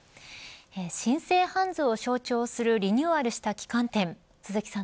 新生ハンズを象徴するリニューアルした旗艦店鈴木さん